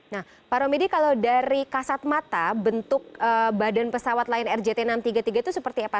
nah pak romedy kalau dari kasat mata bentuk badan pesawat lion air jt enam ratus tiga puluh tiga itu seperti apa